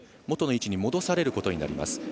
元の位置に戻されることになります。